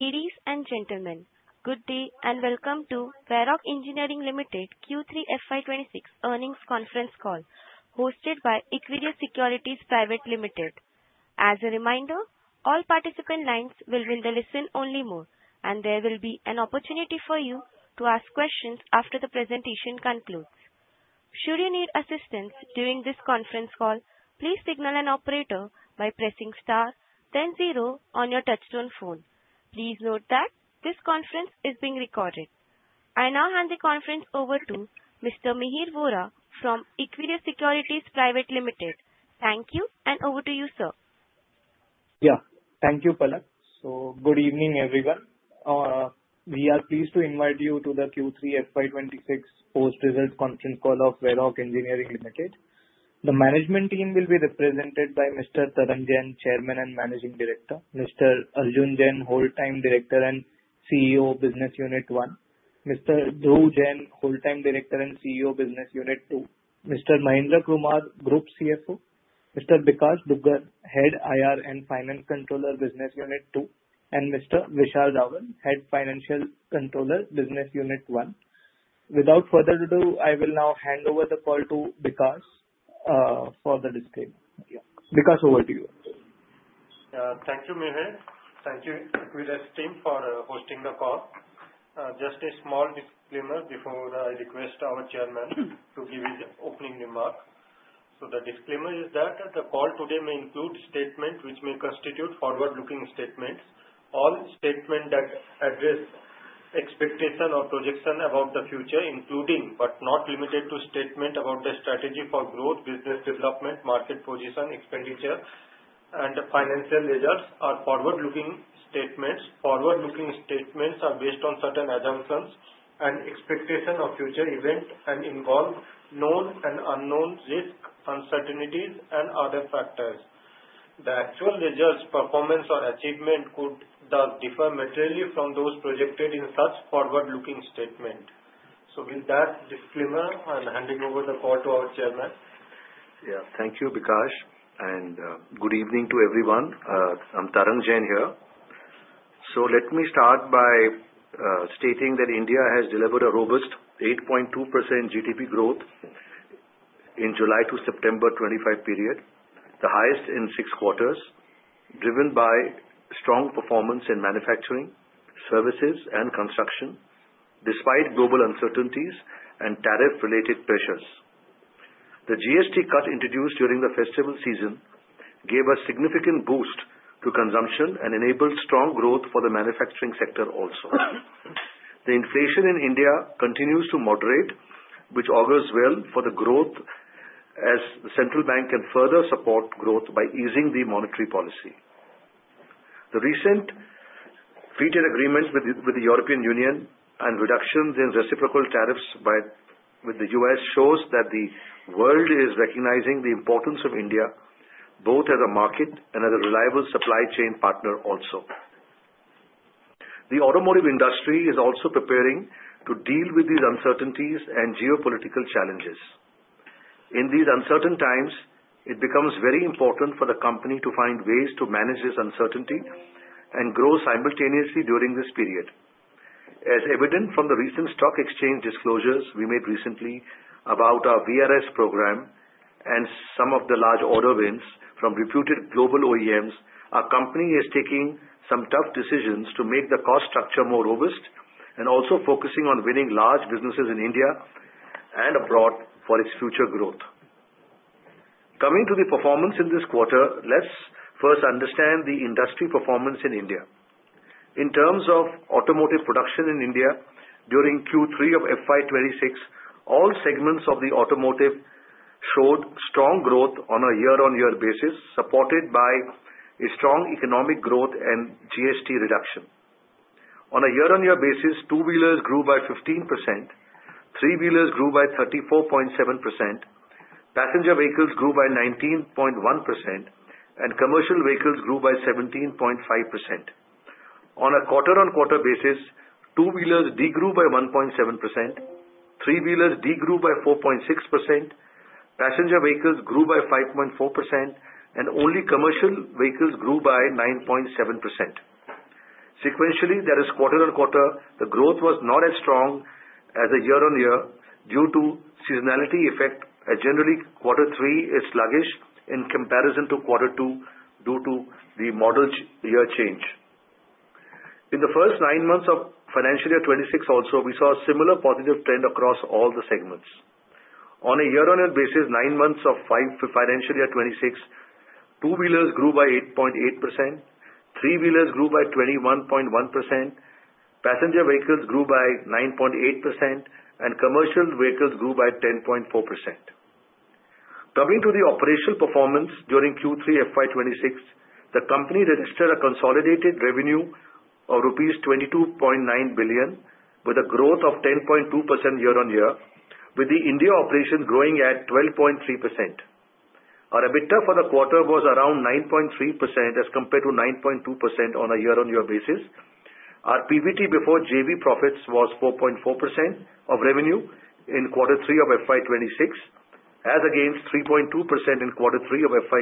Ladies and gentlemen, good day, and welcome to Varroc Engineering Limited Q3 FY 2026 earnings conference call, hosted by Equirus Securities Private Limited. As a reminder, all participant lines will be in the listen only mode, and there will be an opportunity for you to ask questions after the presentation concludes. Should you need assistance during this conference call, please signal an operator by pressing star then zero on your touchtone phone. Please note that this conference is being recorded. I now hand the conference over to Mr. Mihir Vora from Equirus Securities Private Limited. Thank you, and over to you, sir. Yeah. Thank you, Palak. So good evening, everyone. We are pleased to invite you to the Q3 FY 2026 post-result conference call of Varroc Engineering Limited. The management team will be represented by Mr. Tarang Jain, Chairman and Managing Director, Mr. Arjun Jain, Whole-time Director and CEO, Business Unit One, Mr. Dhruv Jain, Whole-time Director and CEO, Business Unit Two, Mr. Mahendra Kumar, Group CFO, Mr. Bikash Dugar, Head IR and Finance Controller, Business Unit Two, and Mr. Vishal Dhawan, Head Financial Controller, Business Unit One. Without further ado, I will now hand over the call to Bikash for the disclaimer. Yeah, Bikash, over to you. Thank you, Mihir. Thank you, Equirus team, for hosting the call. Just a small disclaimer before I request our chairman to give his opening remarks. So the disclaimer is that the call today may include statements which may constitute forward-looking statements. All statements that address expectation or projection about the future, including, but not limited to, statements about the strategy for growth, business development, market position, expenditure, and financial results, are forward-looking statements. Forward-looking statements are based on certain assumptions and expectation of future events and involve known and unknown risks, uncertainties, and other factors. The actual results, performance or achievement could, does differ materially from those projected in such forward-looking statement. So with that disclaimer, I'm handing over the call to our chairman. Yeah. Thank you, Bikash, and good evening to everyone. I'm Tarang Jain here. So let me start by stating that India has delivered a robust 8.2% GDP growth in July to September 25 period, the highest in six quarters, driven by strong performance in manufacturing, services, and construction, despite global uncertainties and tariff-related pressures. The GST cut introduced during the festival season gave a significant boost to consumption and enabled strong growth for the manufacturing sector also. The inflation in India continues to moderate, which augurs well for the growth as the central bank can further support growth by easing the monetary policy. The recent FTAs agreements with the European Union and reductions in reciprocal tariffs with the U.S. shows that the world is recognizing the importance of India, both as a market and as a reliable supply chain partner also. The automotive industry is also preparing to deal with these uncertainties and geopolitical challenges. In these uncertain times, it becomes very important for the company to find ways to manage this uncertainty and grow simultaneously during this period. As evident from the recent stock exchange disclosures we made recently about our VRS program and some of the large order wins from reputed global OEMs, our company is taking some tough decisions to make the cost structure more robust and also focusing on winning large businesses in India and abroad for its future growth. Coming to the performance in this quarter, let's first understand the industry performance in India. In terms of automotive production in India during Q3 of FY 2026, all segments of the automotive showed strong growth on a year-on-year basis, supported by a strong economic growth and GST reduction. On a year-on-year basis, two-wheelers grew by 15%, three-wheelers grew by 34.7%, passenger vehicles grew by 19.1%, and commercial vehicles grew by 17.5%. On a quarter-on-quarter basis, two-wheelers de-grew by 1.7%, three-wheelers de-grew by 4.6%, passenger vehicles grew by 5.4%, and only commercial vehicles grew by 9.7%. Sequentially, that is quarter-on-quarter, the growth was not as strong as the year-on-year due to seasonality effect, as generally quarter three is sluggish in comparison to quarter two due to the model change-year change. In the first nine months of financial year 2026 also, we saw a similar positive trend across all the segments. On a year-on-year basis, nine months of financial year 2026, two-wheelers grew by 8.8%, three-wheelers grew by 21.1%, passenger vehicles grew by 9.8%, and commercial vehicles grew by 10.4%. Coming to the operational performance during Q3 FY 2026, the company registered a consolidated revenue of rupees 22.9 billion, with a growth of 10.2% year-on-year, with the India operation growing at 12.3%. Our EBITDA for the quarter was around 9.3% as compared to 9.2% on a year-on-year basis. Our PBT before JV profits was 4.4% of revenue in quarter three of FY 2026, as against 3.2% in quarter three of FY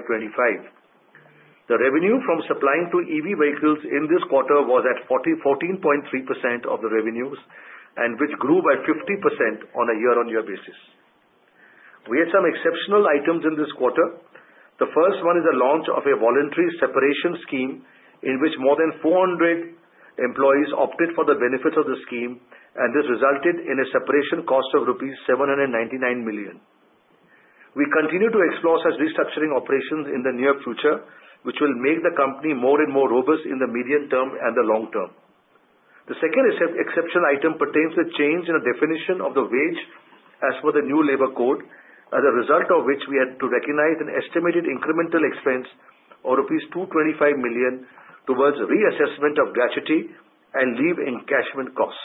2025. The revenue from supplying to EV vehicles in this quarter was at 14.3% of the revenues, and which grew by 50% on a year-on-year basis. We had some exceptional items in this quarter. The first one is a launch of a voluntary separation scheme, in which more than 400 employees opted for the benefits of the scheme, and this resulted in a separation cost of rupees 799 million. We continue to explore such restructuring operations in the near future, which will make the company more and more robust in the medium term and the long term. The second is exceptional item pertains to a change in the definition of the wage as per the new labor code, as a result of which we had to recognize an estimated incremental expense of rupees 225 million towards reassessment of gratuity and leave encashment costs.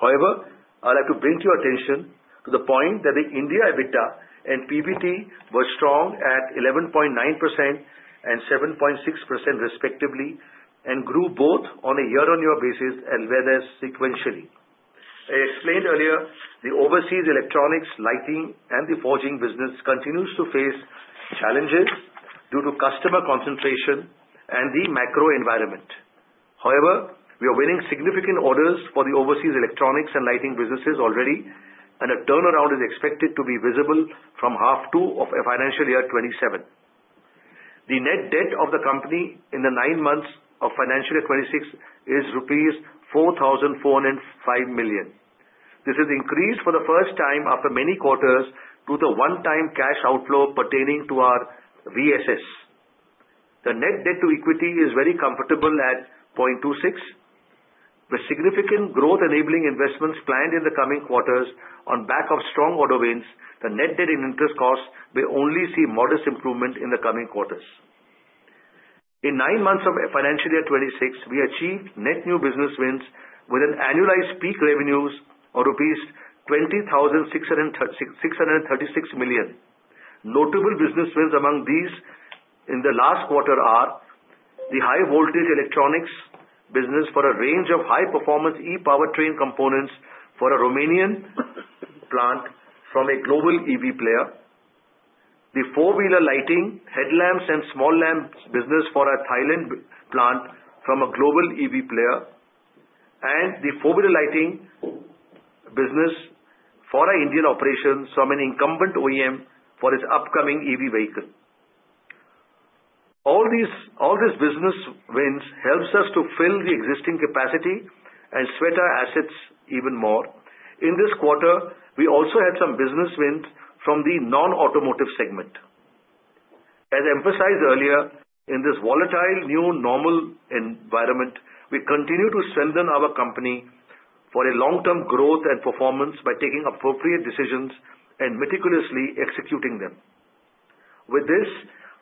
However, I'd like to bring to your attention to the point that the India EBITDA and PBT were strong at 11.9% and 7.6% respectively, and grew both on a year-on-year basis as well as sequentially. I explained earlier, the overseas electronics, lighting and the forging business continues to face challenges due to customer concentration and the macro environment. However, we are winning significant orders for the overseas electronics and lighting businesses already, and a turnaround is expected to be visible from half two of FY 2027. The net debt of the company in the nine months of financial year 2026 is rupees 4,405 million. This has increased for the first time after many quarters due to one-time cash outflow pertaining to our VSS. The net debt to equity is very comfortable at 0.26. The significant growth-enabling investments planned in the coming quarters on back of strong order wins, the net debt and interest costs will only see modest improvement in the coming quarters. In nine months of financial year 2026, we achieved net new business wins with an annualized peak revenues of 20,636 million. Notable business wins among these in the last quarter are: the High Voltage Electronics business for a range of high-performance E-Powertrain components for a Romanian plant from a global EV player, the four-wheeler lighting, headlamps, and small lamps business for a Thailand plant from a global EV player, and the four-wheeler lighting business for our Indian operations from an incumbent OEM for its upcoming EV vehicle. All these, all these business wins helps us to fill the existing capacity and sweat our assets even more. In this quarter, we also had some business wins from the non-automotive segment. As emphasized earlier, in this volatile new normal environment, we continue to strengthen our company for a long-term growth and performance by taking appropriate decisions and meticulously executing them. With this,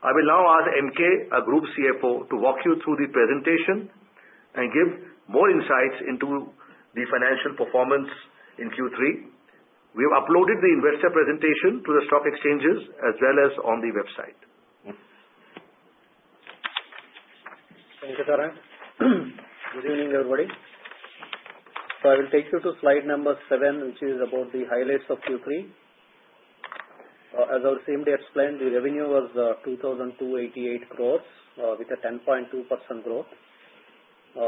I will now ask MK, our Group CFO, to walk you through the presentation and give more insights into the financial performance in Q3. We have uploaded the investor presentation to the stock exchanges as well as on the website. Thank you, Tarang. Good evening, everybody. I will take you to slide number seven, which is about the highlights of Q3. As our CMD explained, the revenue was 2,288 crores with a 10.2% growth.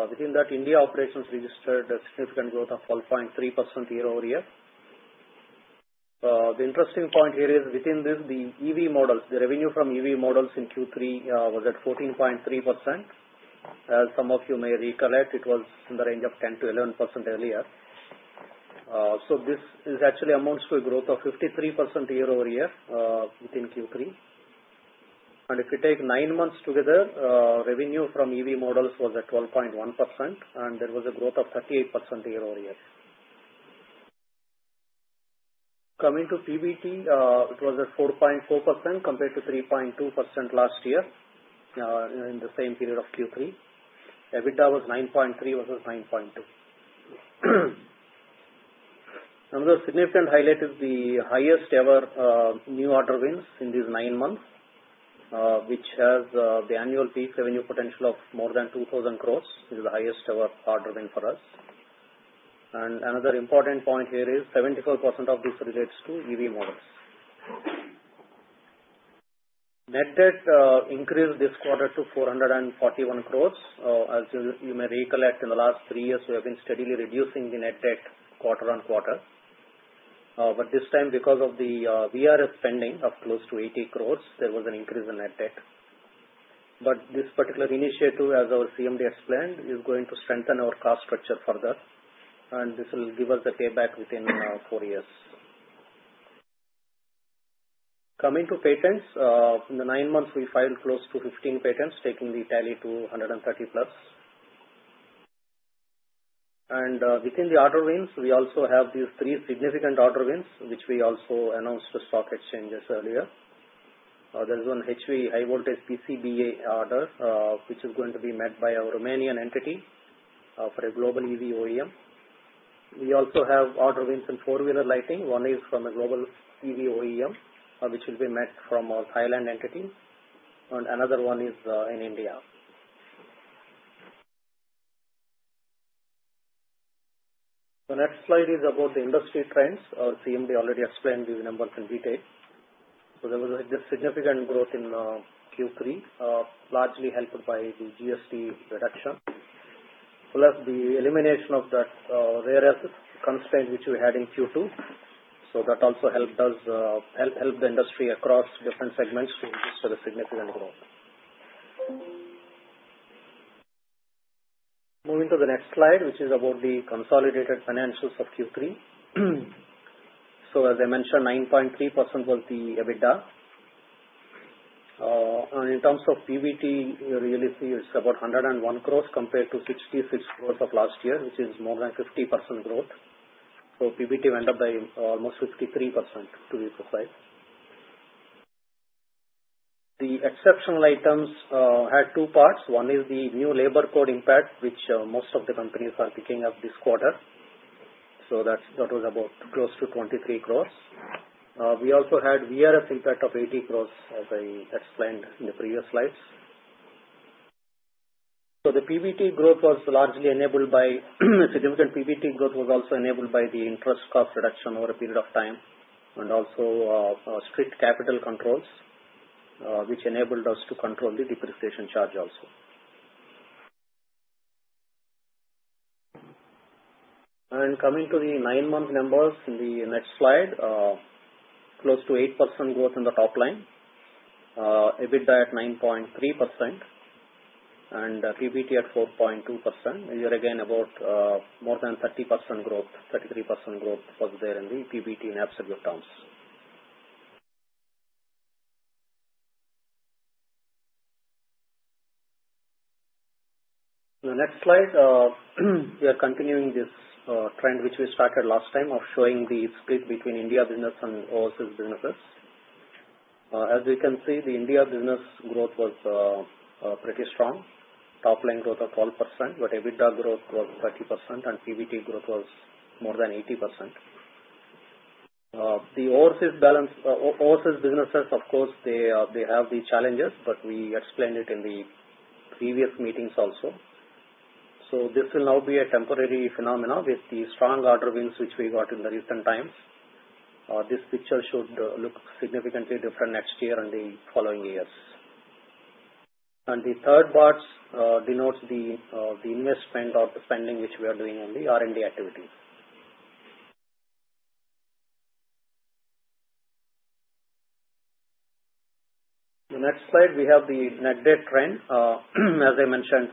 Within that, India operations registered a significant growth of 12.3% year-over-year. The interesting point here is within this, the EV models, the revenue from EV models in Q3 was at 14.3%. As some of you may recollect, it was in the range of 10%-11% earlier. So this actually amounts to a growth of 53% year-over-year within Q3. If you take nine months together, revenue from EV models was at 12.1%, and there was a growth of 38% year-over-year. Coming to PBT, it was at 4.4%, compared to 3.2% last year, in the same period of Q3. EBITDA was 9.3 versus 9.2. Another significant highlight is the highest ever new order wins in these nine months, which has the annual peak revenue potential of more than 2,000 crore. This is the highest ever order win for us. Another important point here is 74% of this relates to EV models. Net debt increased this quarter to 441 crore. As you may recollect, in the last three years, we have been steadily reducing the net debt quarter-on-quarter. But this time, because of the VRS spending of close to 80 crore, there was an increase in net debt. But this particular initiative, as our CMD explained, is going to strengthen our cost structure further, and this will give us the payback within four years. Coming to patents, in the nine months, we filed close to 15 patents, taking the tally to 130+. And within the order wins, we also have these three significant order wins, which we also announced to stock exchanges earlier. There is one HV, high voltage DC-DC order, which is going to be met by our Romanian entity, for a global EV OEM. We also have order wins in four-wheeler lighting. One is from a global EV OEM, which will be met from our Thailand entity, and another one is in India. The next slide is about the industry trends, CMD they already explained these numbers in detail. So there was a significant growth in Q3, largely helped by the GST reduction, plus the elimination of that rare earth constraint, which we had in Q2. So that also helped us help the industry across different segments to register a significant growth. Moving to the next slide, which is about the consolidated financials of Q3. So as I mentioned, 9.3% was the EBITDA. And in terms of PBT, you really see it's about 101 crore compared to 66 crore of last year, which is more than 50% growth. So PBT went up by almost 53% to be precise. The exceptional items had two parts. One is the new labor code impact, which most of the companies are picking up this quarter, so that was about close to 23 crore. We also had VRS impact of 80 crore, as I explained in the previous slides. So the PBT growth was largely enabled by, significant PBT growth was also enabled by the interest cost reduction over a period of time, and also, strict capital controls, which enabled us to control the depreciation charge also. Coming to the nine-month numbers in the next slide, close to 8% growth on the top line, EBITDA at 9.3% and PBT at 4.2%. Here again, more than 30% growth, 33% growth was there in the PBT in absolute terms. The next slide, we are continuing this, trend which we started last time of showing the split between India business and overseas businesses. As you can see, the India business growth was, pretty strong. Top line growth of 12%, but EBITDA growth was 30% and PBT growth was more than 80%. The overseas balance, overseas businesses, of course, they have the challenges, but we explained it in the previous meetings also. So this will now be a temporary phenomena with the strong order wins, which we got in the recent times. This picture should look significantly different next year and the following years. The third part denotes the investment or the spending, which we are doing on the R&D activity. The next slide, we have the net debt trend. As I mentioned,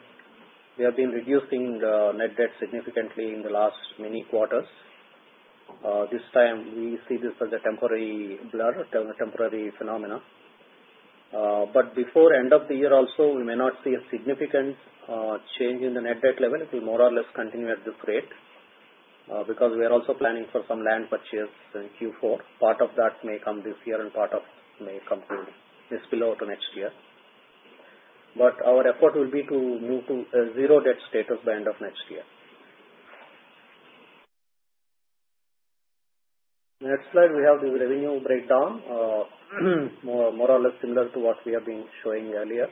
we have been reducing the net debt significantly in the last many quarters. This time we see this as a temporary blur, a temporary phenomena. But before end of the year also, we may not see a significant change in the net debt level. It will more or less continue at this rate, because we are also planning for some land purchase in Q4. Part of that may come this year, and part of it may spill over to next year. But our effort will be to move to a zero debt status by end of next year. Next slide, we have the revenue breakdown. More or less similar to what we have been showing earlier.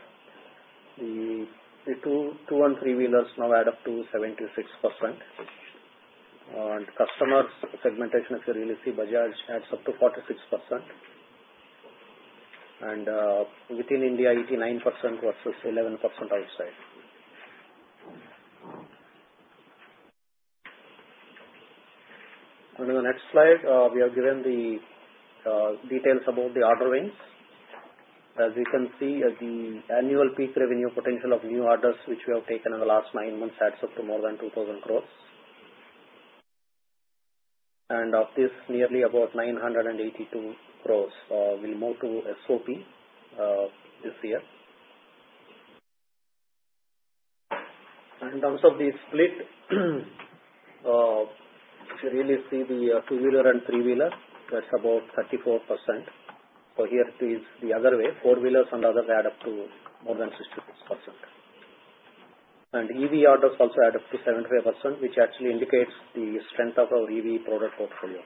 The two and three-wheelers now add up to 76%. And customer segmentation, if you really see, Bajaj adds up to 46%. And within India, 89% versus 11% outside. And in the next slide, we have given the details about the order wins. As you can see, the annual peak revenue potential of new orders, which we have taken in the last nine months, adds up to more than 2,000 crore. And of this, nearly about 982 crore will move to SOP this year. And in terms of the split, if you really see the two-wheeler and three-wheeler, that's about 34%. So here it is the other way, four-wheelers and others add up to more than 60%. And EV orders also add up to 70%, which actually indicates the strength of our EV product portfolio.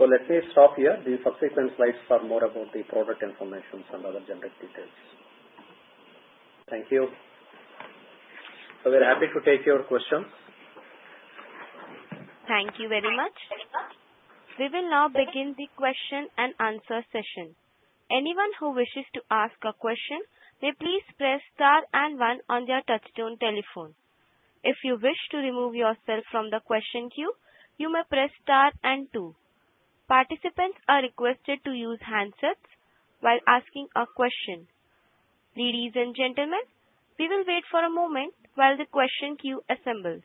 So let me stop here. The subsequent slides are more about the product information and other generic details. Thank you. So we're happy to take your questions. Thank you very much. We will now begin the question and answer session. Anyone who wishes to ask a question may please press star and one on their touchtone telephone. If you wish to remove yourself from the question queue, you may press star and two. Participants are requested to use handsets while asking a question. Ladies and gentlemen, we will wait for a moment while the question queue assembles.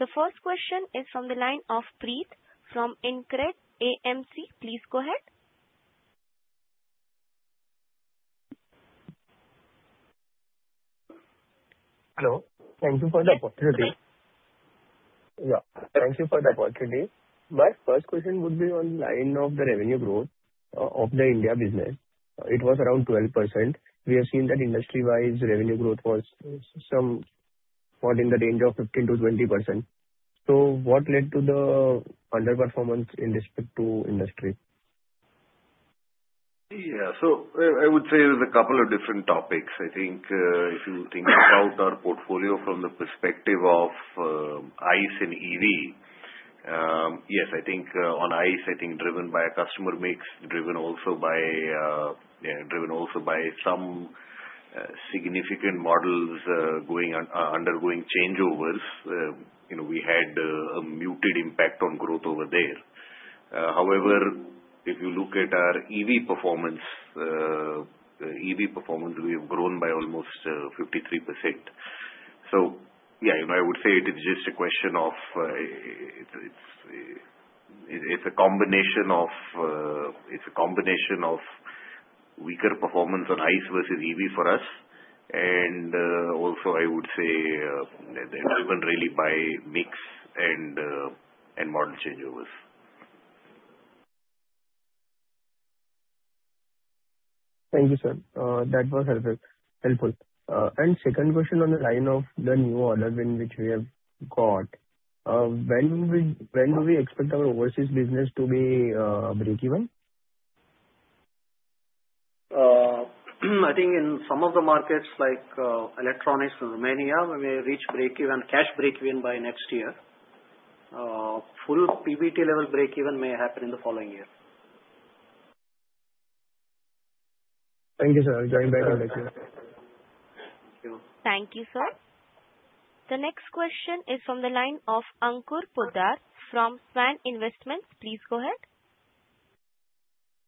The first question is from the line of Preet from InCred AMC. Please go ahead. Hello. Thank you for the opportunity. Yeah, thank you for the opportunity. My first question would be on line of the revenue growthbfalling in the range of 15%-20%. So what led to the underperformance in respect to industry? Yeah. So, I would say there's a couple of different topics. I think, if you think about our portfolio from the perspective of, ICE and EV, yes, I think, on ICE, I think driven by a customer mix, driven also by, yeah, driven also by some, significant models, going undergoing changeovers. You know, we had, a muted impact on growth over there. However, if you look at our EV performance, the EV performance, we have grown by almost, 53%. So yeah, and I would say it is just a question of, it's, it's a combination of, it's a combination of weaker performance on ICE versus EV for us, and, also I would say, driven really by mix and, and model changeovers. Thank you, sir. That was helpful, helpful. And second question on the line of the new order win which we have got. When will we, when do we expect our overseas business to be breakeven? I think in some of the markets like electronics, Romania, we may reach breakeven, cash breakeven by next year. Full PBT level breakeven may happen in the following year. Thank you, sir. Thank you, sir. The next question is from the line of Ankur Poddar from Svan Investments. Please go ahead.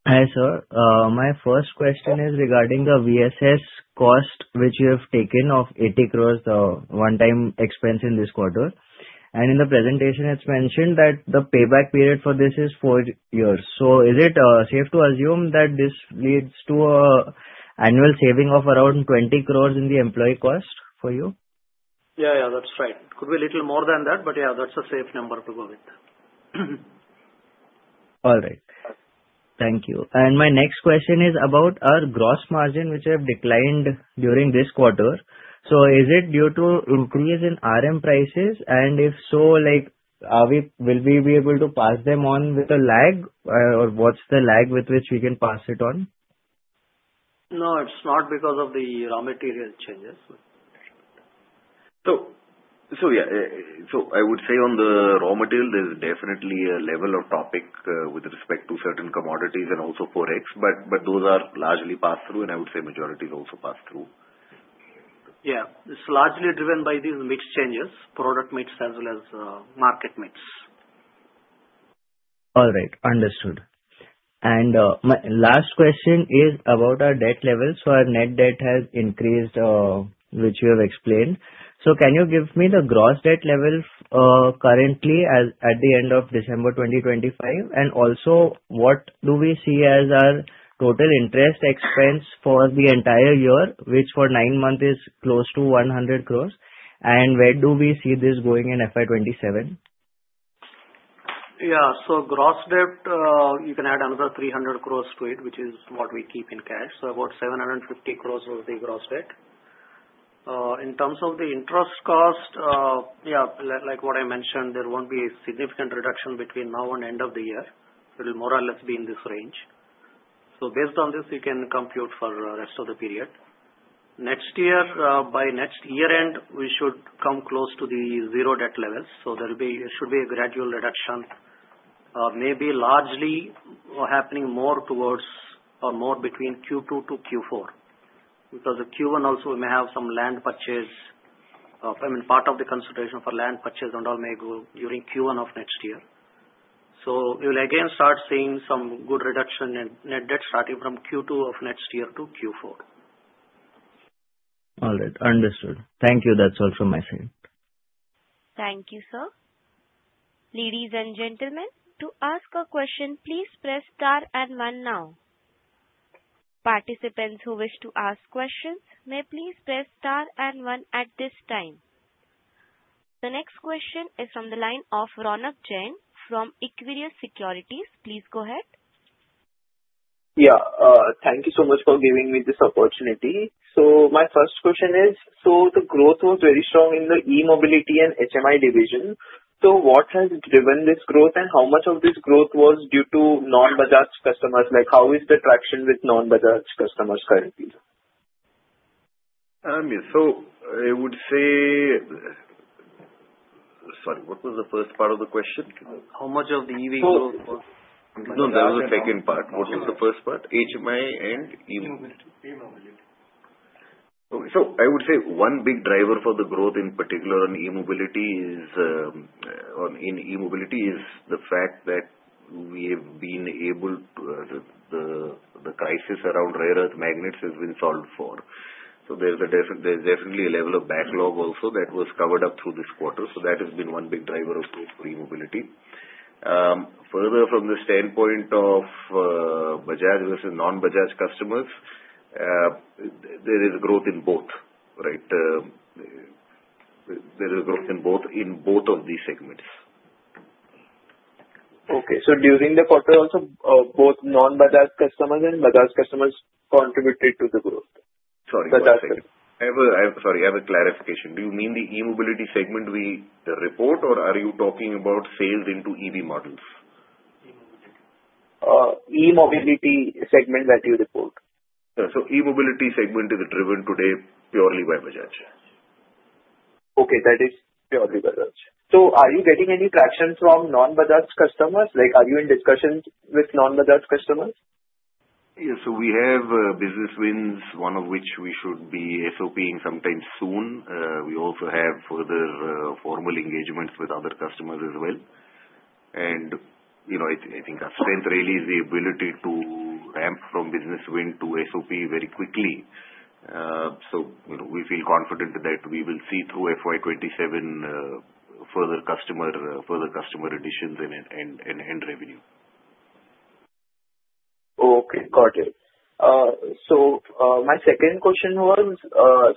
Hi, sir. My first question is regarding the VSS cost, which you have taken of 80 crore, one-time expense in this quarter. And in the presentation, it's mentioned that the payback period for this is 4 years. So is it safe to assume that this leads to an annual saving of around 20 crore in the employee cost for you? Yeah, yeah, that's right. Could be a little more than that, but yeah, that's a safe number to go with. All right. Thank you. And my next question is about our gross margin, which have declined during this quarter. So is it due to increase in RM prices? And if so, like, will we be able to pass them on with a lag, or what's the lag with which we can pass it on? No, it's not because of the raw material changes. So yeah, I would say on the raw material, there's definitely a level of volatility, with respect to certain commodities and also Forex, but those are largely passed through, and I would say majority is also passed through. Yeah, it's largely driven by these mix changes, product mix as well as, market mix. All right. Understood. And, my last question is about our debt levels. So our net debt has increased, which you have explained. So can you give me the gross debt level, currently as at the end of December 2025? And also, what do we see as our total interest expense for the entire year, which for nine months is close to 100 crore, and where do we see this going in FY 2027? Yeah. So gross debt, you can add another 300 crore to it, which is what we keep in cash, so about 750 crore will be gross debt. In terms of the interest cost, yeah, like what I mentioned, there won't be a significant reduction between now and end of the year. It'll more or less be in this range. So based on this, you can compute for the rest of the period. Next year, by next year-end, we should come close to the 0 debt levels, so there'll be, should be a gradual reduction, maybe largely happening more towards or more between Q2 to Q4, because the Q1 also may have some land purchase. I mean, part of the consideration for land purchase and all may go during Q1 of next year. We will again start seeing some good reduction in net debt starting from Q2 of next year to Q4. All right. Understood. Thank you. That's all from my side. Thank you, sir. Ladies and gentlemen, to ask a question, please press star and one now. Participants who wish to ask questions may please press star and one at this time. The next question is from the line of Ronak Jain from Equirus Securities. Please go ahead. Yeah. Thank you so much for giving me this opportunity. So my first question is, so the growth was very strong in the E-mobility and HMI division. So what has driven this growth, and how much of this growth was due to non-Bajaj customers? Like, how is the traction with non-Bajaj customers currently? Yeah. So I would say. Sorry, what was the first part of the question? How much of the EV was- No, that was the second part. What was the first part? HMI and EV. E-mobility. So I would say one big driver for the growth, in particular on E-mobility, is the fact that we have been able to, the crisis around rare earth magnets has been solved for. So there's definitely a level of backlog also that was covered up through this quarter. So that has been one big driver of growth for E-mobility. Further from the standpoint of, Bajaj versus non-Bajaj customers, there is growth in both, right? There is growth in both, in both of these segments. Okay, so during the quarter also, both non-Bajaj customers and Bajaj customers contributed to the growth? Sorry, I have a clarification. Do you mean the E-mobility segment we report, or are you talking about sales into EV models? E-mobility segment that you report. Yeah. So E-mobility segment is driven today purely by Bajaj. Okay, that is purely Bajaj. So are you getting any traction from non-Bajaj customers, like are you in discussions with non-Bajaj customers? Yes, so we have business wins, one of which we should be SOP-ing sometime soon. We also have further formal engagements with other customers as well. And, you know, I think our strength really is the ability to ramp from business win to SOP very quickly. So, you know, we feel confident that we will see through FY 2027 further customer additions and revenue. Okay, got it. So, my second question was,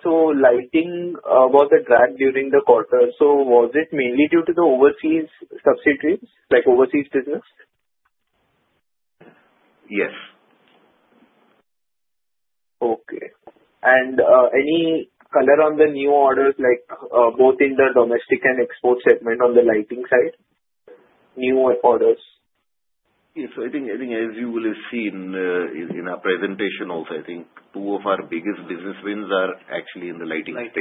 so lighting was a drag during the quarter. So was it mainly due to the overseas subsidiaries, like overseas business? Yes. Okay. Any color on the new orders, like, both in the domestic and export segment on the lighting side? New orders. Yes, so I think, I think as you will have seen, in our presentation also, I think two of our biggest business wins are actually in the lighting space.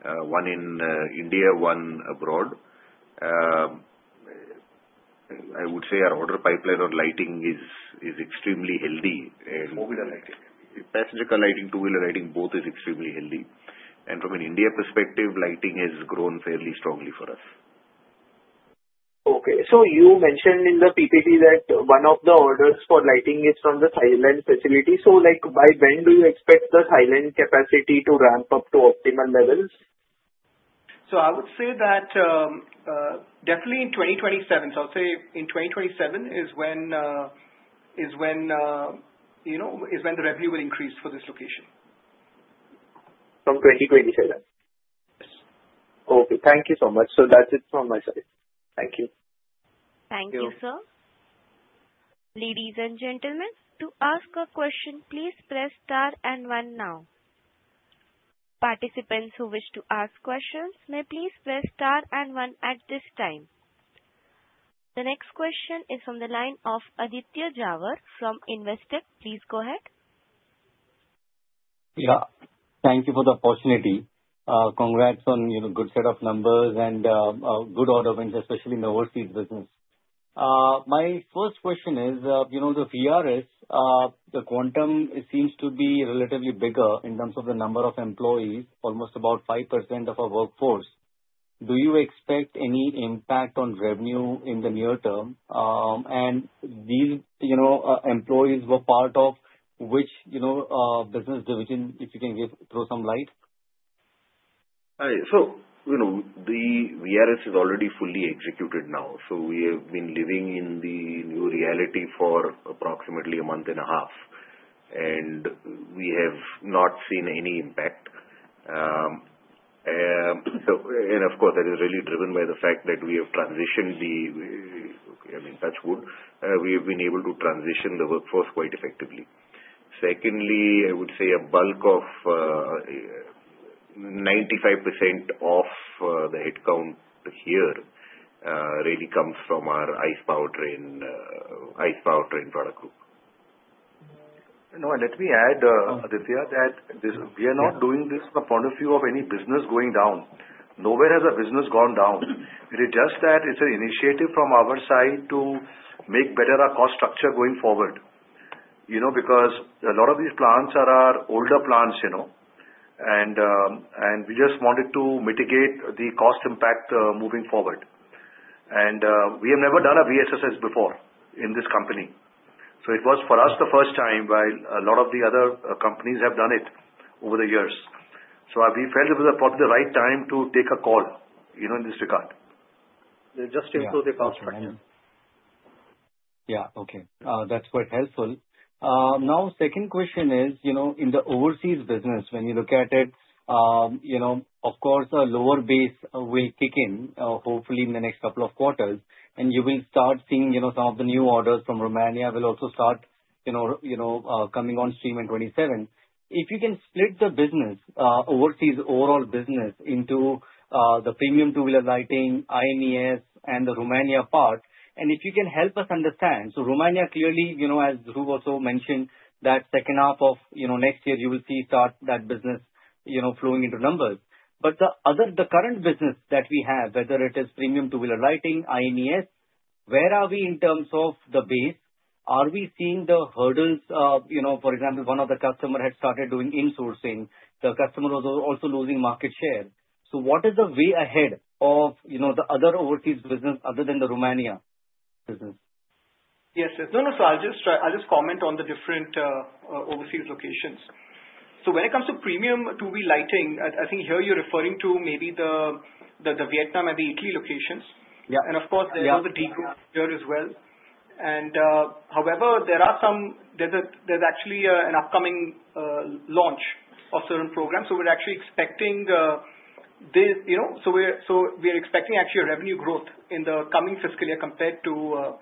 Lighting. One in India, one abroad. I would say our order pipeline on lighting is, is extremely healthy, and- Two-wheeler lighting. Passenger car lighting, two-wheeler lighting, both is extremely healthy. From an India perspective, lighting has grown fairly strongly for us. Okay, so you mentioned in the PPP that one of the orders for lighting is from the Thailand facility. So like, by when do you expect the Thailand capacity to ramp up to optimal levels? I would say that definitely in 2027. So I'll say in 2027 is when, you know, the revenue will increase for this location. From 2027? Yes. Okay, thank you so much. That's it from my side. Thank you. Thank you, sir. Ladies and gentlemen, to ask a question, please press Star and One now. Participants who wish to ask questions may please press Star and One at this time. The next question is from the line of Aditya Jhawar from Investec. Please go ahead. Yeah, thank you for the opportunity. Congrats on, you know, good set of numbers and good order wins, especially in the overseas business. My first question is, you know, the VRS, the quantum seems to be relatively bigger in terms of the number of employees, almost about 5% of our workforce. Do you expect any impact on revenue in the near term? And these, you know, employees were part of which, you know, business division, if you can give... throw some light? So, you know, the VRS is already fully executed now, so we have been living in the new reality for approximately a month and a half, and we have not seen any impact. And of course, that is really driven by the fact that we have transitioned the, I mean, touch wood, we have been able to transition the workforce quite effectively. Secondly, I would say a bulk of, ninety-five percent of, the headcount here, really comes from our ICE powertrain, ICE powertrain product group. You know, and let me add, Aditya, that this- Yeah. We are not doing this from point of view of any business going down. Nowhere has our business gone down. It is just that it's an initiative from our side to make better our cost structure going forward. You know, because a lot of these plants are our older plants, you know, and and we just wanted to mitigate the cost impact, moving forward. We have never done a VSS before in this company. So it was, for us, the first time, while a lot of the other, companies have done it over the years. So we felt it was probably the right time to take a call, you know, in this regard. Just to improve the cost structure. Yeah, okay. That's quite helpful. Now, second question is, you know, in the overseas business, when you look at it, you know, of course, a lower base will kick in, hopefully in the next couple of quarters, and you will start seeing, you know, some of the new orders from Romania will also start, you know, coming on stream in 2027. If you can split the business, overseas overall business into, the premium two-wheeler lighting, IMES, and the Romania part, and if you can help us understand. So Romania, clearly, you know, as Dhruv also mentioned, that second half of, you know, next year, you will see start that business, you know, flowing into numbers. But the other, the current business that we have, whether it is premium two-wheeler lighting, IMES, where are we in terms of the base? Are we seeing the hurdles of, you know, for example, one of the customer has started doing insourcing, the customer was also losing market share? So what is the way ahead of, you know, the other overseas business other than the Romania business? Yes, yes. No, no, so I'll just, I'll just comment on the different overseas locations. So when it comes to premium two-wheeler lighting, I, I think here you're referring to maybe the, the, the Vietnam and the Italy locations. Yeah. And of course- Yeah. There's also Ducati there as well. And, however, there are some, there's a, there's actually an upcoming launch of certain programs, so we're actually expecting this, you know, so we're, so we are expecting actually a revenue growth in the coming fiscal year compared to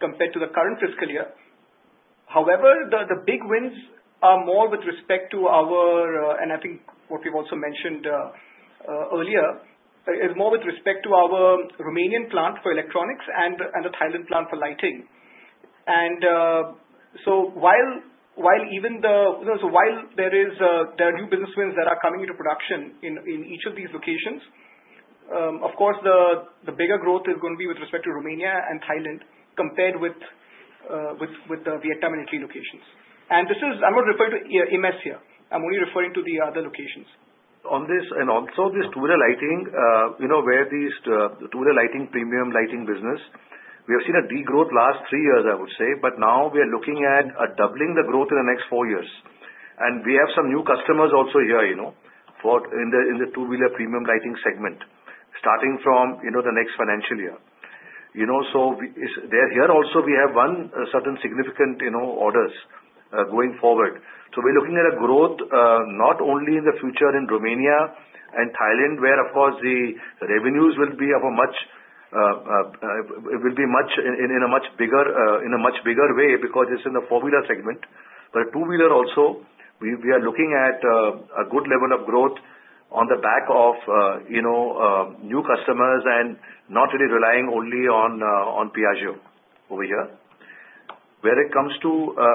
compared to the current fiscal year. However, the big wins are more with respect to our, and I think what we've also mentioned earlier, is more with respect to our Romanian plant for electronics and the Thailand plant for lighting. And, so while, while even the, so while there is, there are new business wins that are coming into production in each of these locations, of course, the bigger growth is going to be with respect to Romania and Thailand, compared with with the Vietnam and Italy locations. This is. I'm not referring to IMES here. I'm only referring to the other locations. On this, and also this two-wheeler lighting, you know, where these, two-wheeler lighting, premium lighting business, we have seen a degrowth last 3 years, I would say, but now we are looking at, at doubling the growth in the next 4 years. And we have some new customers also here, you know, for in the, in the two-wheeler premium lighting segment, starting from, you know, the next financial year. You know, so there here also we have one, certain significant, you know, orders, going forward. So we're looking at a growth, not only in the future in Romania and Thailand, where of course, the revenues will be of a much, will be much, in, in a much bigger, in a much bigger way, because it's in the four-wheeler segment. But a two-wheeler also, we are looking at a good level of growth on the back of you know new customers and not really relying only on on Piaggio over here. Where it comes to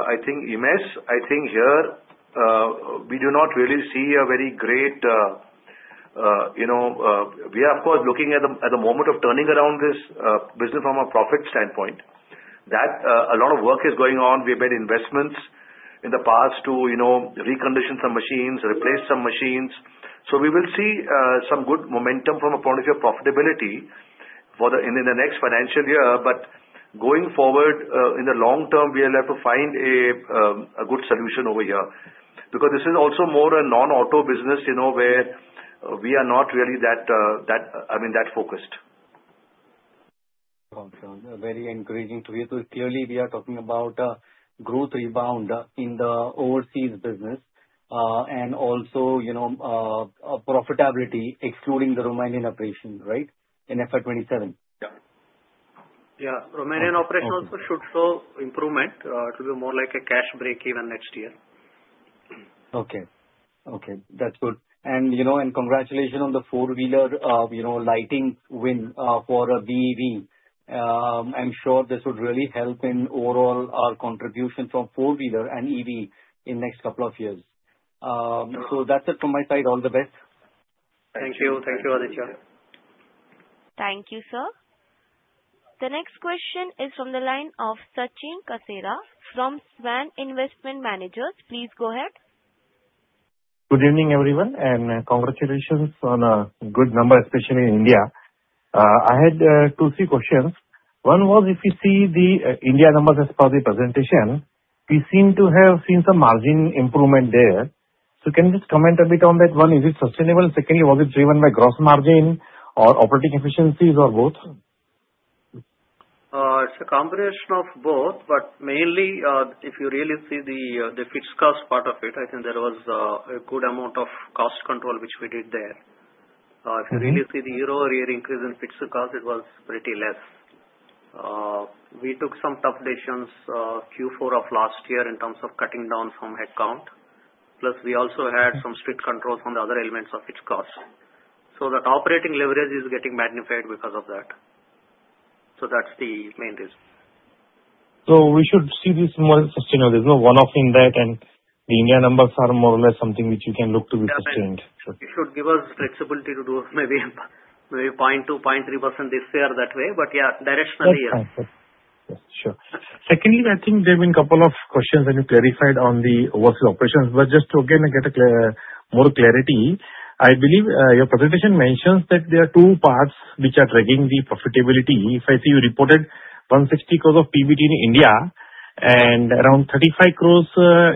I think IMES, I think here we do not really see a very great you know. We are, of course, looking at the moment of turning around this business from a profit standpoint. That a lot of work is going on. We have made investments in the past to you know recondition some machines, replace some machines. So we will see some good momentum from a point of view of profitability for the in the next financial year. But going forward in the long term, we will have to find a good solution over here. Because this is also more a non-auto business, you know, where we are not really that focused. Got you. Very encouraging to hear. So clearly we are talking about a growth rebound in the overseas business, and also, you know, a profitability excluding the Romanian operation, right, in FY 2027? Yeah. Yeah. Okay. Romanian operation also should show improvement, to be more like a cash break-even next year. Okay. Okay, that's good. And, you know, and congratulations on the four-wheeler, you know, lighting win, for a BEV. I'm sure this would really help in overall our contribution from four-wheeler and EV in next couple of years. So that's it from my side. All the best. Thank you. Thank you, Aditya. Thank you, sir. The next question is from the line of Sachin Kasera from Svan Investment Managers. Please go ahead. Good evening, everyone, and congratulations on a good number, especially in India. I had two, three questions. One was, if you see the India numbers as per the presentation, we seem to have seen some margin improvement there. So can you just comment a bit on that? One, is it sustainable? Secondly, was it driven by gross margin or operating efficiencies, or both? It's a combination of both, but mainly, if you really see the fixed cost part of it, I think there was a good amount of cost control, which we did there. Mm-hmm. If you really see the year-over-year increase in fixed cost, it was pretty less. We took some tough decisions, Q4 of last year in terms of cutting down from headcount. Plus, we also had- Mm. Some strict controls on the other elements of fixed cost. So the operating leverage is getting magnified because of that. So that's the main reason. So we should see this more sustainable. There's no one-off in that, and the India numbers are more or less something which you can look to be sustained? It should give us flexibility to do maybe 0.2%-0.3% this year that way. But yeah, directionally, yes. Okay. Sure. Secondly, I think there have been a couple of questions, and you clarified on the overseas operations. But just to, again, get a clear, more clarity, I believe, your presentation mentions that there are two parts which are dragging the profitability. If I see you reported 160 crores of PBT in India, and around 35 crores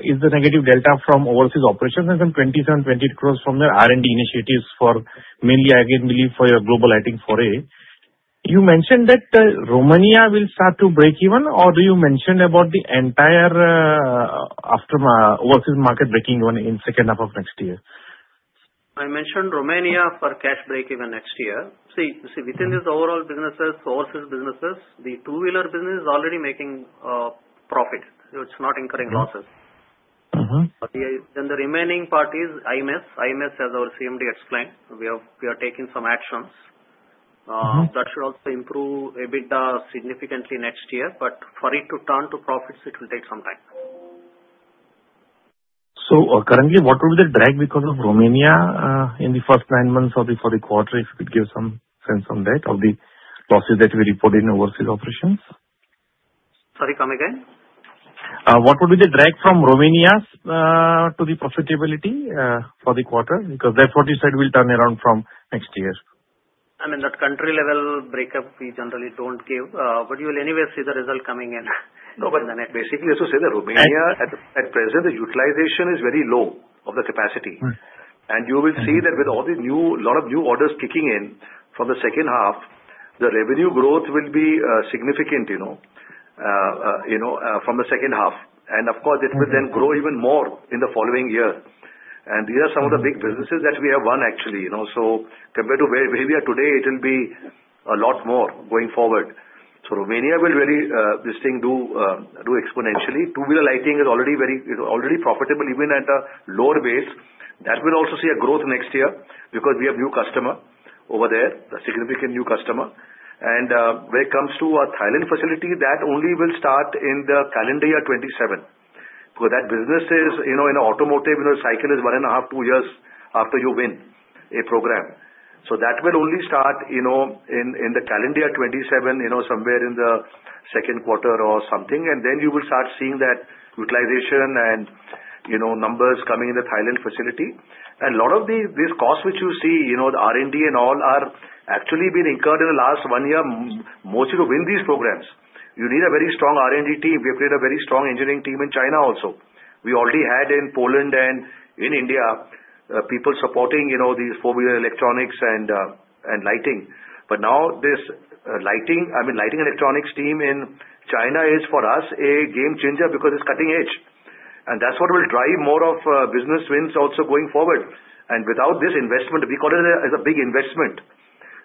is the negative delta from overseas operations, and some 27-28 crores from the R&D initiatives for mainly, again, I believe, for your global lighting foray. You mentioned that, Romania will start to break even, or you mentioned about the entire overseas market breaking even in second half of next year? I mentioned Romania for cash break-even next year. See, see, within this overall businesses, overseas businesses, the two-wheeler business is already making profit, so it's not incurring losses. Mm-hmm. But then the remaining part is IMES. IMES, as our CMD explained, we are taking some actions. Mm-hmm. That should also improve a bit, significantly next year, but for it to turn to profits, it will take some time. Currently, what will be the drag because of Romania, in the first nine months or for the quarter? If you could give some sense on that, of the losses that we reported in overseas operations. Sorry, come again? What would be the drag from Romania's to the profitability for the quarter? Because that's what you said will turn around from next year. I mean, that country level breakup, we generally don't give, but you will anyway see the result coming in anyway. No, but basically, as you said, that Romania, at present, the utilization is very low of the capacity. Mm-hmm. You will see that with all the new lot of new orders kicking in from the second half, the revenue growth will be significant, you know, from the second half. And of course- Mm-hmm. It will then grow even more in the following year. And these are some of the big businesses that we have won, actually, you know, so compared to where, where we are today, it will be a lot more going forward. So Romania will really, this thing do, do exponentially. Two-wheeler lighting is already very, you know, already profitable, even at a lower base. That will also see a growth next year because we have new customer over there, a significant new customer. And, when it comes to our Thailand facility, that only will start in the calendar year 2027, because that business is, you know, in automotive, you know, cycle is 1.5-2 years after you win a program. So that will only start, you know, in the calendar year 2027, you know, somewhere in the second quarter or something, and then you will start seeing that utilization and, you know, numbers coming in the Thailand facility. And a lot of these costs, which you see, you know, the R&D and all, are actually been incurred in the last 1 year mostly to win these programs. You need a very strong R&D team. We have created a very strong engineering team in China also. We already had in Poland and in India people supporting, you know, these four-wheeler electronics and lighting. But now this lighting, I mean, lighting electronics team in China is, for us, a game changer because it's cutting edge, and that's what will drive more of business wins also going forward. Without this investment, we call it a big investment.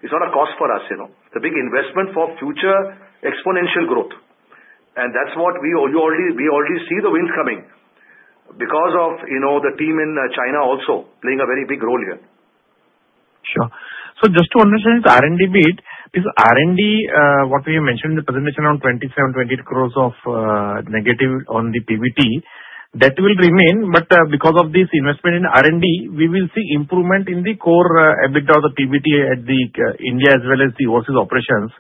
It's not a cost for us, you know, it's a big investment for future exponential growth, and that's what we already, we already see the wins coming because of, you know, the team in China also playing a very big role here. Sure. So just to understand the R&D bit, this R&D, what we mentioned in the presentation on 27.20 crores of negative on the PBT, that will remain. But, because of this investment in R&D, we will see improvement in the core, EBITDA, the PBT at the, India as well as the overseas operations.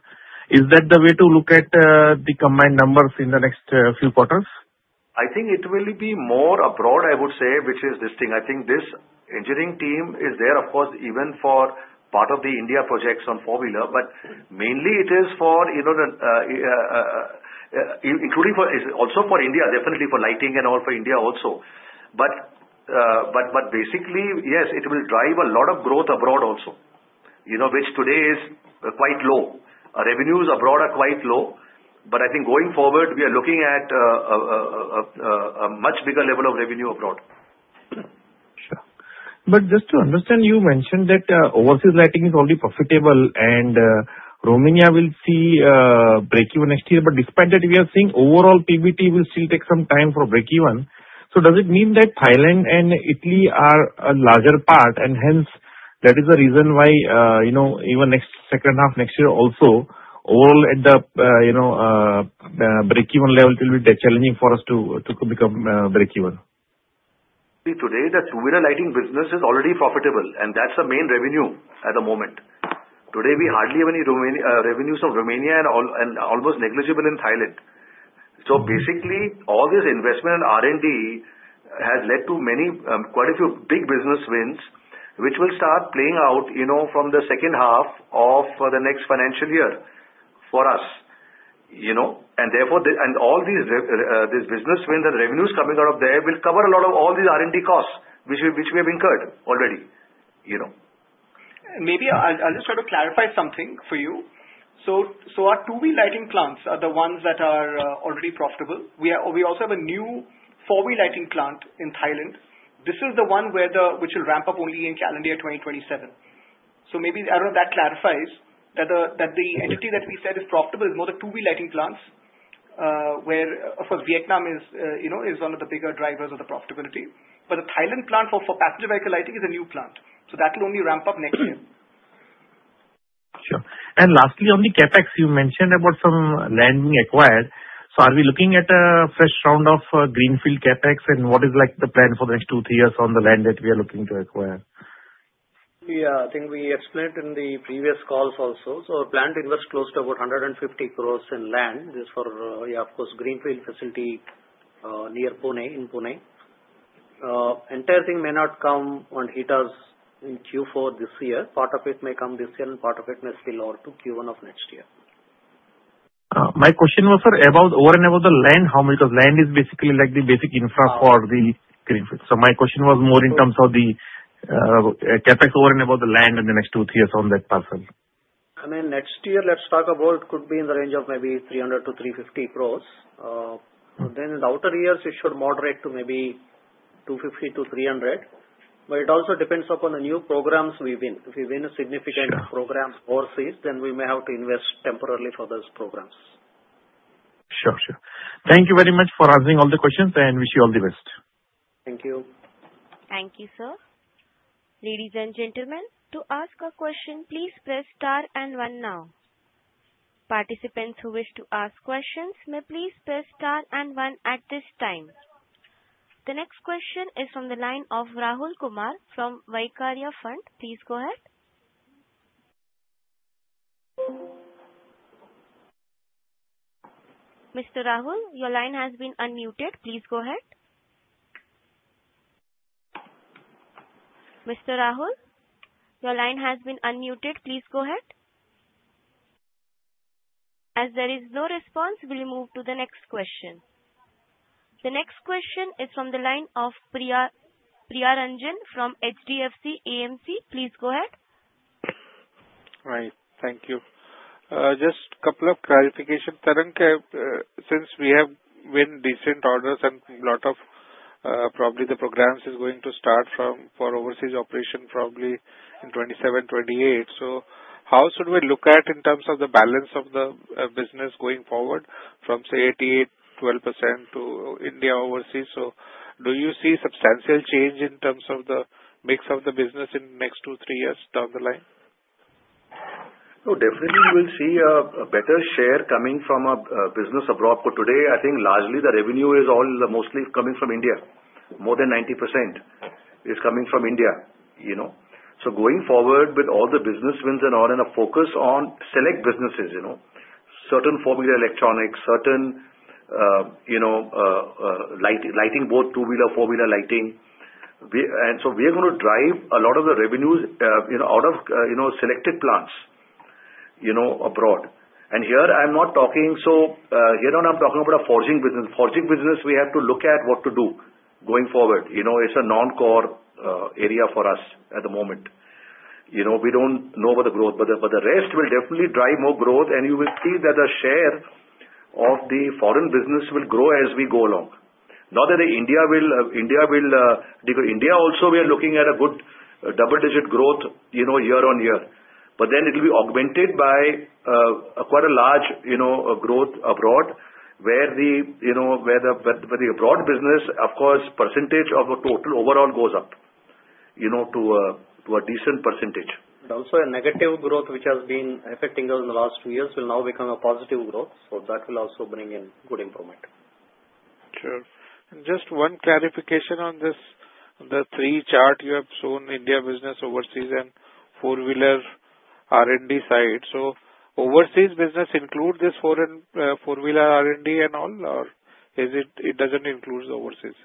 Is that the way to look at, the combined numbers in the next, few quarters? I think it will be more abroad, I would say, which is this thing. I think this engineering team is there, of course, even for part of the India projects on four-wheeler, but mainly it is for, you know, the, including for, is also for India, definitely for lighting and all, for India also. But basically, yes, it will drive a lot of growth abroad also, you know, which today is quite low. Our revenues abroad are quite low, but I think going forward, we are looking at a much bigger level of revenue abroad. Sure. But just to understand, you mentioned that overseas lighting is already profitable, and Romania will see breakeven next year. But despite that, we are seeing overall PBT will still take some time for breakeven. So does it mean that Thailand and Italy are a larger part, and hence, that is the reason why, you know, even next second half next year also, overall at the you know breakeven level, it will be challenging for us to become breakeven? See, today, the two-wheeler lighting business is already profitable, and that's the main revenue at the moment. Today, we hardly have any Romania revenues from Romania and almost negligible in Thailand. So basically, all this investment in R&D has led to many, quite a few big business wins, which will start playing out, you know, from the second half of the next financial year for us, you know. And therefore, the, and all these, this business win, the revenues coming out of there will cover a lot of all these R&D costs, which we, which we have incurred already, you know. Maybe I'll just sort of clarify something for you. So our two-wheel lighting plants are the ones that are already profitable. We also have a new four-wheel lighting plant in Thailand. This is the one which will ramp up only in calendar year 2027. So maybe, I don't know, that clarifies that the entity that we said is profitable is more the two-wheel lighting plants, where, of course, Vietnam is, you know, one of the bigger drivers of the profitability. But the Thailand plant for passenger vehicle lighting is a new plant, so that will only ramp up next year. Sure. And lastly, on the CapEx, you mentioned about some land being acquired. So are we looking at a fresh round of greenfield CapEx, and what is, like, the plan for the next two, three years on the land that we are looking to acquire? Yeah, I think we explained in the previous calls also. Our planned investment close to about 150 crore in land. This is for, yeah, of course, greenfield facility, near Pune, in Pune. Entire thing may not come on heaters in Q4 this year. Part of it may come this year, and part of it may spill over to Q1 of next year. My question was, sir, about over and above the land, how much of land is basically like the basic infra for the greenfield? So my question was more in terms of the CapEx over and above the land in the next 2-3 years on that parcel. I mean, next year, let's talk about could be in the range of maybe 300 crore-350 crore. Then in the outer years, it should moderate to maybe 250 crore-300 crore, but it also depends upon the new programs we win. If we win a significant- Sure. programs overseas, then we may have to invest temporarily for those programs. Sure, sure. Thank you very much for answering all the questions, and wish you all the best. Thank you. Thank you, sir. Ladies and gentlemen, to ask a question, please press star and one now. Participants who wish to ask questions may please press star and one at this time. The next question is from the line of Rahul Kumar from Vaikarya Fund. Please go ahead. Mr. Rahul, your line has been unmuted. Please go ahead Mr. Rahul, your line has been unmuted, please go ahead. As there is no response, we'll move to the next question. The next question is from the line of Priya, Priya Ranjan from HDFC AMC. Please go ahead. Right. Thank you. Just couple of clarification. Tarang, since we have won decent orders and a lot of, probably the programs is going to start from for overseas operation, probably in 2027, 2028. So how should we look at in terms of the balance of the business going forward from, say, 88, 12% to India overseas? So do you see substantial change in terms of the mix of the business in the next two, three years down the line? No, definitely we'll see a better share coming from business abroad. But today, I think largely the revenue is all mostly coming from India. More than 90% is coming from India, you know. So going forward, with all the business wins and all, and a focus on select businesses, you know, certain four-wheeler electronics, certain lighting, both two-wheeler, four-wheeler lighting. We, and so we are going to drive a lot of the revenues out of selected plants, you know, abroad. And here I'm not talking, here on I'm talking about a forging business. Forging business, we have to look at what to do going forward. You know, it's a non-core area for us at the moment. You know, we don't know about the growth, but the, but the rest will definitely drive more growth, and you will see that the share of the foreign business will grow as we go along. Not only India will, India will, because India also, we are looking at a good double-digit growth, you know, year-on-year. But then it will be augmented by, quite a large, you know, growth abroad, where the, you know, where the, where the abroad business, of course, percentage of the total overall goes up, you know, to a, to a decent percentage. Also a negative growth, which has been affecting us in the last two years, will now become a positive growth. That will also bring in good improvement. Sure. Just one clarification on this, the three charts you have shown, India business, overseas, and four-wheeler R&D side. So overseas business include this four-wheeler R&D and all, or is it, it doesn't include the overseas?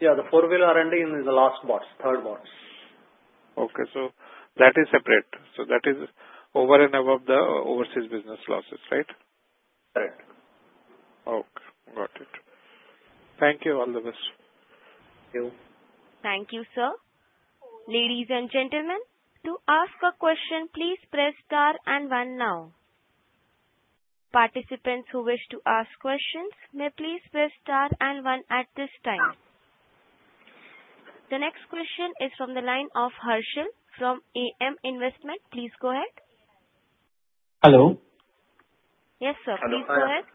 Yeah, the four-wheeler R&D is the last box, third box. Okay. So that is separate. So that is over and above the overseas business losses, right? Correct. Okay, got it. Thank you. All the best. Thank you. Thank you, sir. Ladies and gentlemen, to ask a question, please press Star and One now. Participants who wish to ask questions may please press Star and One at this time. The next question is from the line of Harshal from AM Investment. Please go ahead. Hello. Yes, sir. Please go ahead.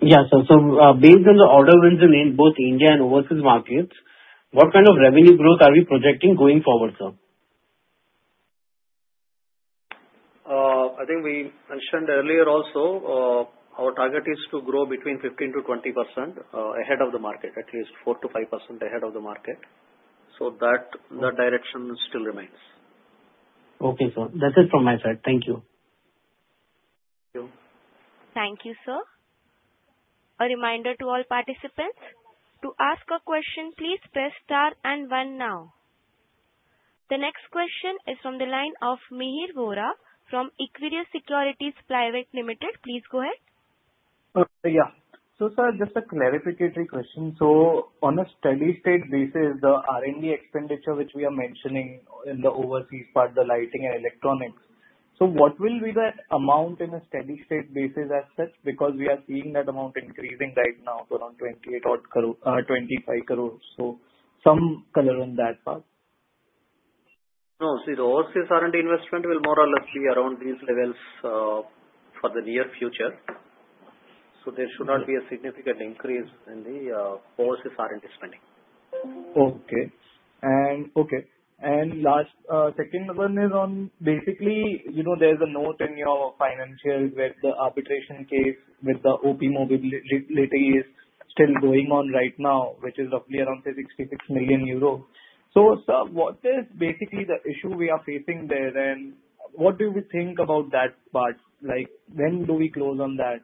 Yeah, so, based on the order wins in both India and overseas markets, what kind of revenue growth are we projecting going forward, sir? I think we mentioned earlier also, our target is to grow between 15%-20%, ahead of the market, at least 4%-5% ahead of the market. So that, that direction still remains. Okay, sir. That's it from my side. Thank you. Thank you. Thank you, sir. A reminder to all participants, to ask a question, please press Star and One now. The next question is from the line of Mihir Vora from Equirus Securities Private Limited. Please go ahead. Yeah. So, sir, just a clarificatory question. So on a steady state basis, the R&D expenditure, which we are mentioning in the overseas part, the lighting and electronics. So what will be the amount in a steady state basis as such? Because we are seeing that amount increasing right now to around 28 odd crore, 25 crores. So some color in that part. No, see, the overseas R&D investment will more or less be around these levels for the near future. There should not be a significant increase in the overseas R&D spending. Okay. And last, second one is on basically, you know, there's a note in your financials where the arbitration case with the OPmobility is still going on right now, which is roughly around, say, 66 million euro. So, sir, what is basically the issue we are facing there, and what do we think about that part? Like, when do we close on that?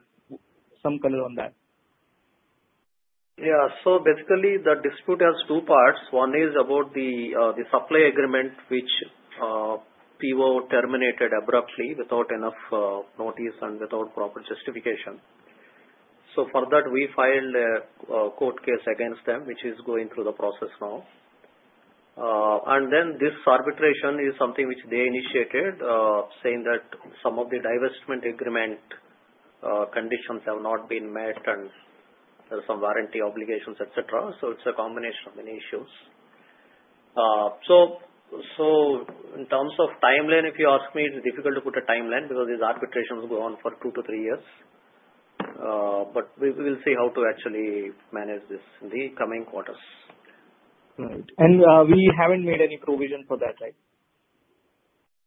Some color on that. Yeah. So basically, the dispute has two parts. One is about the supply agreement, which Pivot terminated abruptly without enough notice and without proper justification. So for that, we filed a court case against them, which is going through the process now. And then this arbitration is something which they initiated saying that some of the divestment agreement conditions have not been met and there are some warranty obligations, et cetera. So it's a combination of many issues. So in terms of timeline, if you ask me, it's difficult to put a timeline because these arbitrations go on for two to three years. But we will see how to actually manage this in the coming quarters. Right. And, we haven't made any provision for that, right?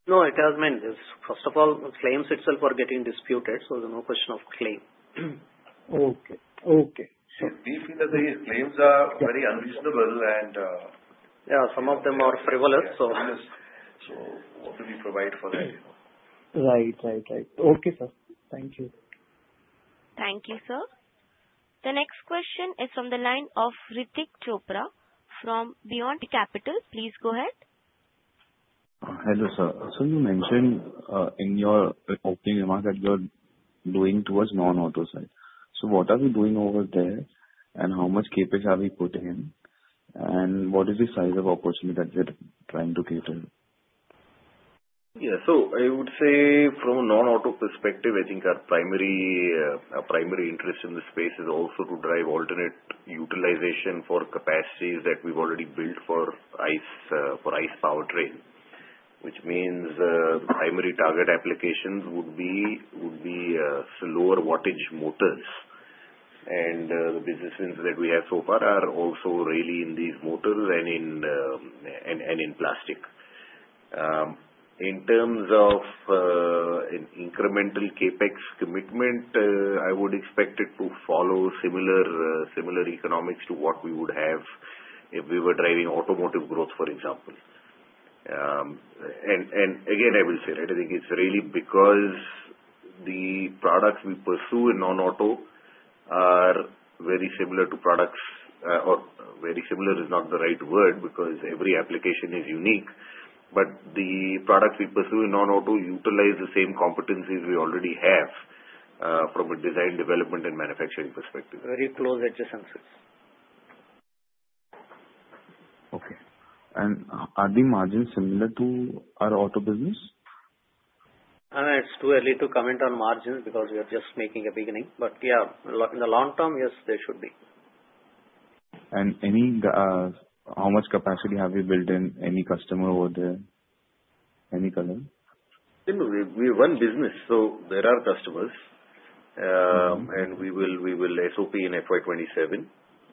No, it has been... First of all, claims itself are getting disputed, so there's no question of claim. Okay. Okay. We feel that the claims are very unreasonable and, Yeah, some of them are frivolous, so-... provide for that. Right, right, right. Okay, sir. Thank you. Thank you, sir. The next question is from the line of Ritik Chopra from Buoyant Capital. Please go ahead. Hello, sir. So you mentioned in your opening remarks that you're going towards non-auto side. So what are we doing over there, and how much CapEx have we put in? And what is the size of opportunity that we are trying to cater? Yeah. So I would say from a non-auto perspective, I think our primary interest in this space is also to drive alternate utilization for capacities that we've already built for ICE powertrain. Which means primary target applications would be lower wattage motors. And the businesses that we have so far are also really in these motors and in plastic. In terms of incremental CapEx commitment, I would expect it to follow similar economics to what we would have if we were driving automotive growth, for example. And again, I will say that I think it's really because the products we pursue in non-auto are very similar to products, or very similar is not the right word, because every application is unique. But the products we pursue in non-auto utilize the same competencies we already have, from a design, development and manufacturing perspective. Very close adjacencies. Okay. Are the margins similar to our auto business? It's too early to comment on margins because we are just making a beginning. But yeah, in the long term, yes, they should be. And any, how much capacity have you built in any customer over there? Any customer? You know, we are one business, so there are customers. Mm-hmm. And we will, we will SOP in FY 2027.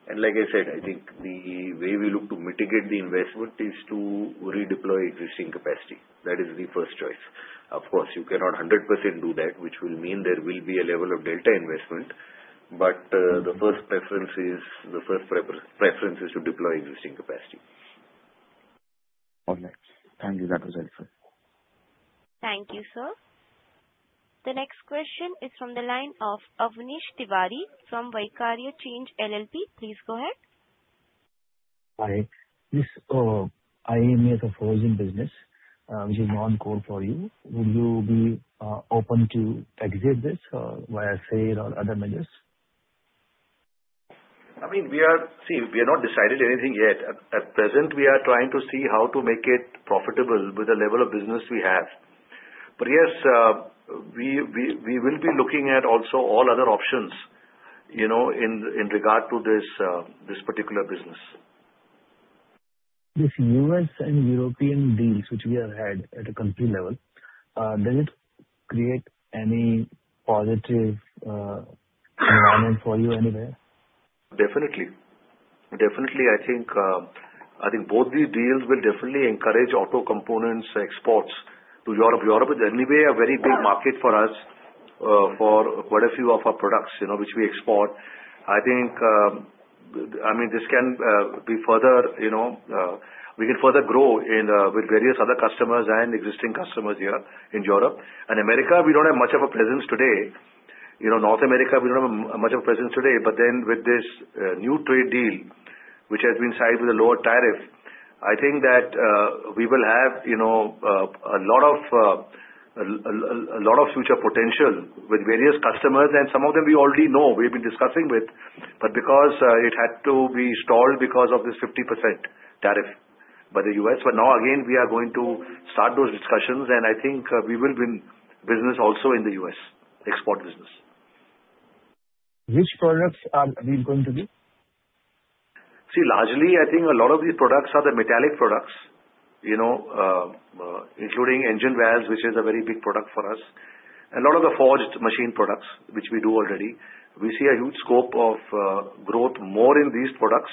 And like I said, I think the way we look to mitigate the investment is to redeploy existing capacity. That is the first choice. Of course, you cannot 100% do that, which will mean there will be a level of delta investment, but the first preference is, the first preference is to deploy existing capacity. All right. Thank you. That was helpful. Thank you, sir. The next question is from the line of Avnish Tiwari from Vaikarya Change LLP. Please go ahead. Hi. This IMES forging business, which is non-core for you, will you be open to execute this via sale or other measures? I mean, we are. See, we have not decided anything yet. At present, we are trying to see how to make it profitable with the level of business we have. But yes, we will be looking at also all other options, you know, in regard to this particular business. This U.S. and European deals which we have had at a country level, does it create any positive environment for you anywhere? Definitely. Definitely, I think, I think both these deals will definitely encourage auto components exports to Europe. Europe is anyway a very big market for us, for quite a few of our products, you know, which we export. I think, I mean, this can be further, you know, we can further grow in, with various other customers and existing customers here in Europe. And America, we don't have much of a presence today. You know, North America, we don't have much of a presence today. But then with this new trade deal, which has been signed with a lower tariff, I think that we will have, you know, a lot of future potential with various customers. Some of them we already know, we've been discussing with, but because it had to be stalled because of this 50% tariff by the U.S. Now again, we are going to start those discussions, and I think, we will win business also in the U.S., export business. Which products are we going to do? See, largely, I think a lot of these products are the metallic products, you know, including engine valves, which is a very big product for us, a lot of the forged machine products, which we do already. We see a huge scope of growth more in these products.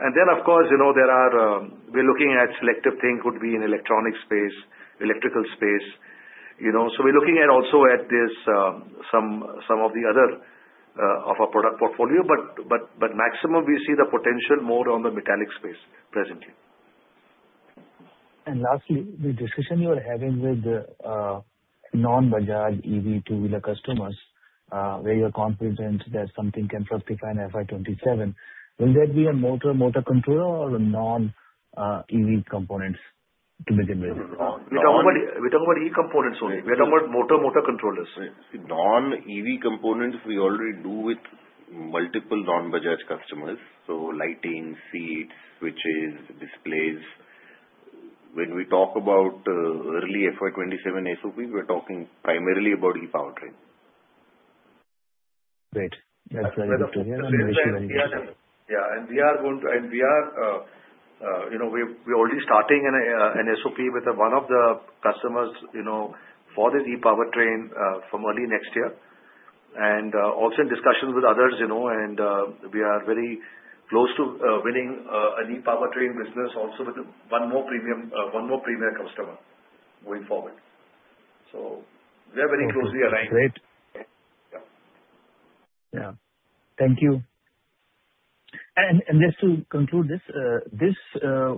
And then, of course, you know, there are, we're looking at selective things, could be in electronic space, electrical space, you know. So we're looking at also at this, some of the other of our product portfolio, but maximum we see the potential more on the metallic space presently. And lastly, the discussion you are having with the non-Bajaj EV two-wheeler customers, where you're confident that something can justify in FY 2027, will there be a motor, motor controller or a non EV components to be delivered? We talk about EV components only. Right. We are talking about motor, motor controllers. Right. Non-EV components, we already do with multiple non-Bajaj customers, so lighting, seats, switches, displays. When we talk about early FY 2027 SOP, we're talking primarily about e-powertrain. Great. That's very good to hear. Yeah, and we are going to. And we are, you know, we, we're already starting an SOP with one of the customers, you know, for the E-powertrain, from early next year. And, also in discussions with others, you know, and, we are very close to winning an E-powertrain business also with one more premium, one more premium customer going forward. So we are very closely aligned. Great. Yeah. Yeah. Thank you. And just to conclude this,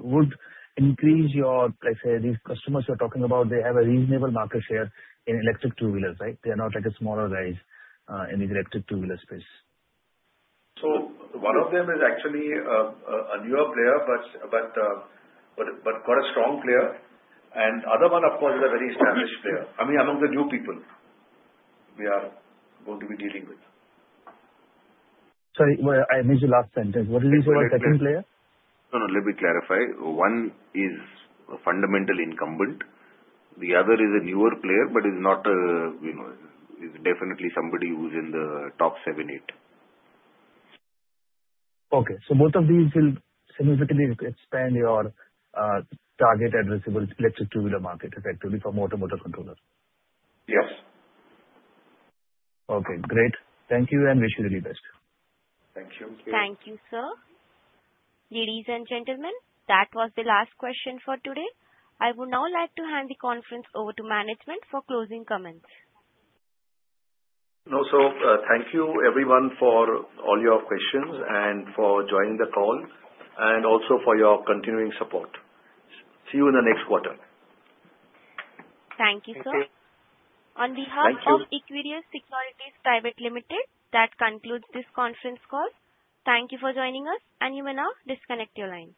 would increase your, let's say, these customers you're talking about, they have a reasonable market share in electric two-wheelers, right? They are not like a smaller guys in the electric two-wheeler space. So one of them is actually a newer player, but quite a strong player. Other one, of course, is a very established player. I mean, among the new people we are going to be dealing with. Sorry, I missed your last sentence. What did you say about second player? No, let me clarify. One is fundamentally incumbent, the other is a newer player, but is not, you know, is definitely somebody who's in the top seven, eight. Okay. So both of these will significantly expand your target addressable electric two-wheeler market effectively for motor, motor controllers? Yes. Okay, great. Thank you, and wish you really the best. Thank you. Thank you, sir. Ladies and gentlemen, that was the last question for today. I would now like to hand the conference over to management for closing comments. No, thank you everyone for all your questions and for joining the call, and also for your continuing support. See you in the next quarter. Thank you, sir. Thank you. On behalf of Equirus Securities Private Limited, that concludes this conference call. Thank you for joining us, and you may now disconnect your lines.